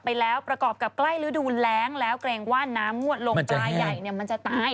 ไปแล้วประกอบกับใกล้ฤดูแรงแล้วเกรงว่าน้ำงวดลงปลาใหญ่เนี่ยมันจะตาย